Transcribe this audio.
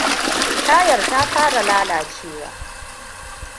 Tayar ta fara lalacewa.